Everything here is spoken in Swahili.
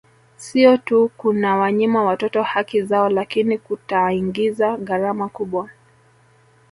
Sio tu kunawanyima watoto haki zao lakini kutaingiza gharama kubwa